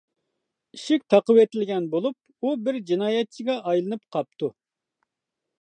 ئىشىك تاقىۋېتىلگەن بولۇپ، ئۇ بىر جىنايەتچىگە ئايلىنىپ قاپتۇ.